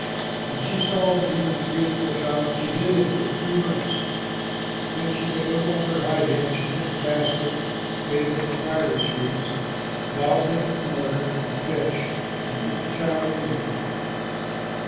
When she saw that he was a beautiful child, she hid him for three months. But when she could no longer hide him, she took a basket made of papyrus reeds, daubed it with mortar and pitch, and put the child in it.